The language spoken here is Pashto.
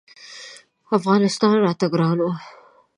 افغانستان راته ګران و.